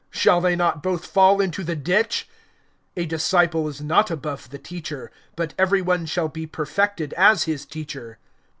Shall they not both fall into the ditch? (40)A disciple is not above the teacher; but every one shall be perfected as his teacher.